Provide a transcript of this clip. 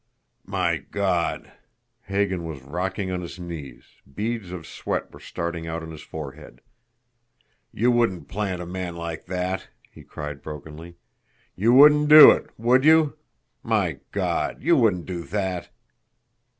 "My God!" Hagan was rocking on his knees, beads of sweat were starting out on his forehead. "You wouldn't plant a man like that!" he cried brokenly. "You wouldn't do it, would you? My God you wouldn't do that!"